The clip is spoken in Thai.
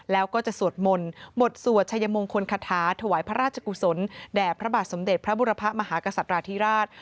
แล้วก็จะสวดมนต์บทสวดชัยมงคลคาถาถวายพระราชกุศลแด่พระบาทสมเด็จพระบุรพะมหากษัตราธิราช